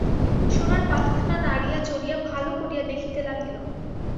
সোনার পাতখানা নাড়িয়া চড়িয়া ভালো করিয়া দেখিতে লাগিল।